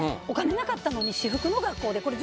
お金なかったのに私服の学校で。